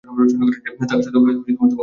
থাকা সত্ত্বেও তোমাকে সন্দেহ করি নে।